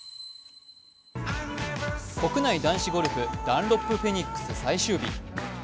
国内男子ゴルフダンロップフェニックス最終日。